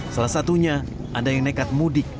salah satunya ada yang nekat mudik